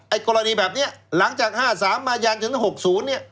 ไอ้กรณีแบบนี้หลังจาก๑๙๕๓มาอย่างจน๖๐เนี่ย